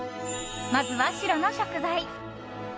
まずは白の食材。